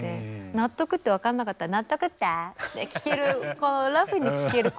「納得」って分かんなかったら「納得って？」って聞けるこのラフに聞けるこの関係性が。